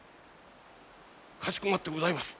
かしこまってございます。